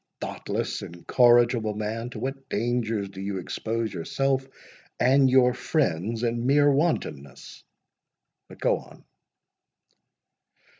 "Thoughtless, incorrigible man! to what dangers do you expose yourself and your friends, in mere wantonness!—But go on."